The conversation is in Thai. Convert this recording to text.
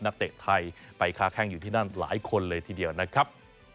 เตะไทยไปค้าแข้งอยู่ที่นั่นหลายคนเลยทีเดียวนะครับ